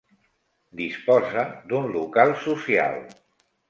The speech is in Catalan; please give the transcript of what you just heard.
Disposa d'un local social.